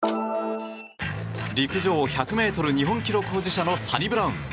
陸上１００ｍ日本記録所持者のサニブラウン。